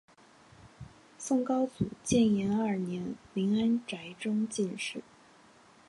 宋高宗建炎二年林安宅中进士。